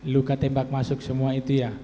luka tembak masuk semua itu ya